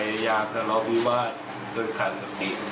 ก็อย่าไปยางสลบบีบาดกันขาดสติ